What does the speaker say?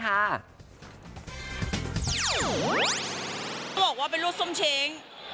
เขาบอกว่าเป็นลูกส้มเช้ง